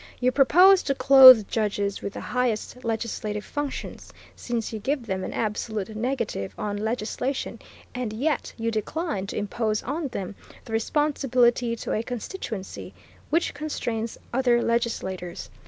You propose to clothe judges with the highest legislative functions, since you give them an absolute negative on legislation, and yet you decline to impose on them the responsibility to a constituency, which constrains other legislators.